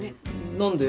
何で？